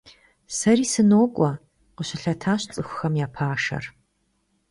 Сэри сынокӀуэ, – къыщылъэтащ цӀыхухэм я пашэр.